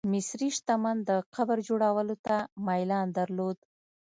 مصري شتمن د قبر جوړولو ته میلان درلود.